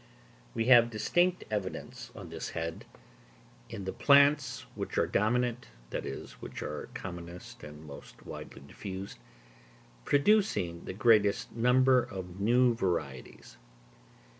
We have distinct evidence on this head, in the plants which are dominant, that is, which are commonest and most widely diffused, producing the greatest number of new varieties.